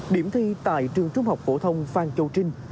điểm thi tại trường trung học phổ thông phan châu trinh